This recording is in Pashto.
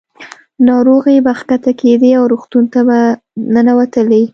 ناروغۍ به ښکته کېدې او روغتون ته به ننوتلې.